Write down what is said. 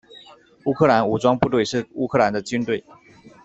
乌克兰武装部队是乌克兰的军队。